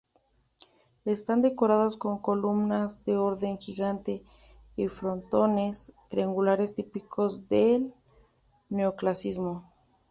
Están decoradas con columnas de orden gigante y frontones triangulares típicos del neoclasicismo.